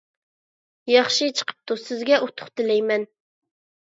ياخشى چىقىپتۇ، سىزگە ئۇتۇق تىلەيمەن.